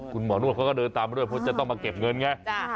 คุณหมอนวดเขาก็เดินตามมาด้วยเพราะจะต้องมาเก็บเงินไง